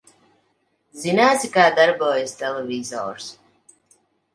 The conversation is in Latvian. Zināsi, kā darbojas televizors?